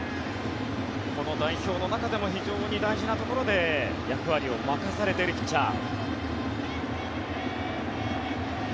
この代表の中でも非常に大事なところで役割を任されているピッチャー。